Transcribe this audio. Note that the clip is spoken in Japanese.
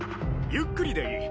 ゆっくりでいい。